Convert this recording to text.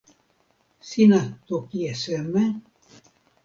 sina toki e seme?